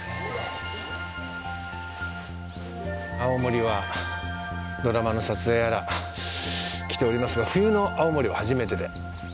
青森は、ドラマの撮影やら来ておりますが冬の青森は初めてで。